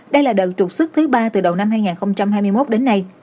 đây là đợt trục xuất thứ ba từ đầu năm hai nghìn hai mươi một đến nay